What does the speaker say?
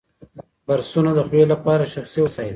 برسونه د خولې لپاره شخصي وسایل دي.